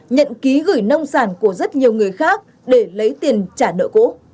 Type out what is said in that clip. nhận ký gửi nông sản của rất nhiều người khác để lấy tiền trả nợ cũ